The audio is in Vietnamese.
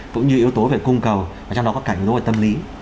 cũng như yếu tố về cung cầu trong đó có cảnh đối với tâm lý